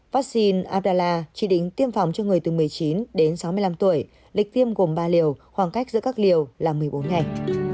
vaccine adalla chỉ định tiêm phòng cho người từ một mươi chín đến sáu mươi năm tuổi lịch tiêm gồm ba liều khoảng cách giữa các liều là một mươi bốn ngày